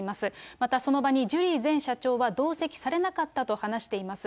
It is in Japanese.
また、その場にジュリー前社長が同席されなかったと話しています。